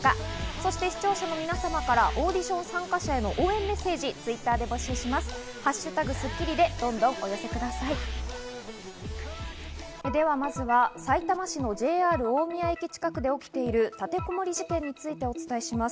そして視聴者の皆様からオーディション参加者への応援メッセージをＴｗｉｔｔｅｒで募集します。